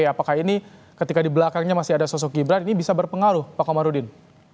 apakah ini ketika di belakangnya masih ada sosok gibran ini bisa berpengaruh pak komarudin